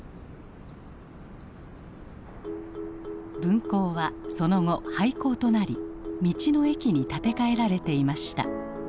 分校はその後廃校となり道の駅に建て替えられていました。